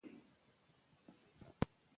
د بانک کارمندان له پیرودونکو سره ښه چلند کوي.